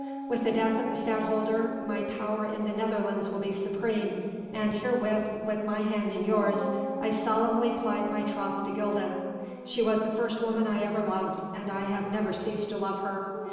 With the death of the Stadtholder my power in the Netherlands will be supreme, and herewith, with my hand in yours, I solemnly plight my troth to Gilda. She was the first woman I ever loved, and I have never ceased to love her.